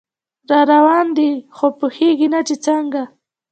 راروان دی خو پوهیږي نه چې څنګه